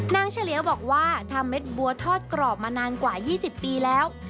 เฉลียวบอกว่าทำเม็ดบัวทอดกรอบมานานกว่า๒๐ปีแล้ว